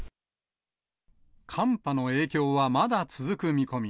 寒波の影響はまだ続く見込み。